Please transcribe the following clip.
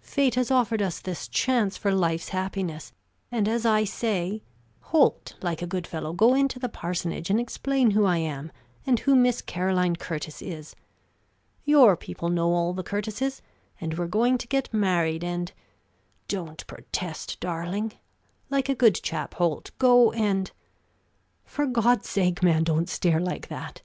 Fate has offered us a chance for life's happiness, and as I say Holt, like a good fellow, go into the parsonage and explain who I am, and who Miss Caroline Curtis is. Your people know all the Curtises, and we're going to get married, and don't protest, darling! like a good chap, Holt, go and for God's sake, man, don't stare like that!